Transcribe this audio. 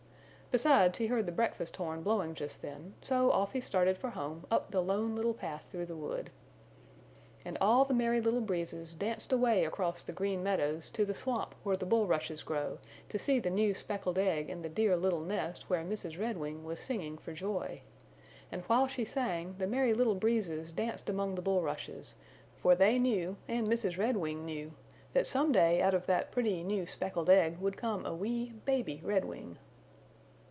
Besides, he heard the breakfast horn blowing just then, so off he started for home up the Lone Little Path through the wood. And all the Merry Little Breezes danced away across the Green Meadows to the swamp where the bulrushes grow to see the new speckled egg in the dear little nest where Mrs. Redwing was singing for joy. And while she sang the Merry Little Breezes danced among the bulrushes, for they knew, and Mrs. Redwing knew, that some day out of that pretty new speckled egg would come a wee baby Redwing.